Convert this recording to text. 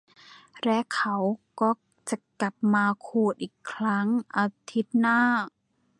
และเขาก็จะกลับมาขูดอีกครั้งอาทิตย์หน้า